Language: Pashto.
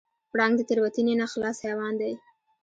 پړانګ د تېروتنې نه خلاص حیوان دی.